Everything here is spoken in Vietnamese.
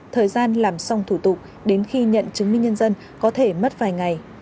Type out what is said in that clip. thời gian làm xong thủ tục đến khi nhận chứng minh nhân dân có thể mất vài ngày